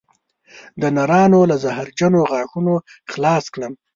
د نرانو له زهرجنو غاښونو خلاص کړم